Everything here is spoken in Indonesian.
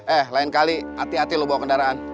eh lain kali hati hati loh bawa kendaraan